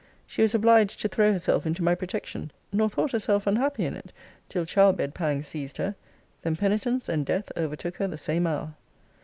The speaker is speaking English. She was obliged to throw herself into my protection nor thought herself unhappy in it, till childbed pangs seized her: then penitence, and death, overtook her the same hour!'